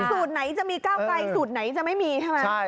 สูตรไหนจะมีก้าวไกลสูตรไหนจะไม่มีใช่ไหม